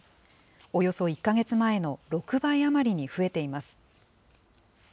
およそ１か月前の６倍余りに増えています。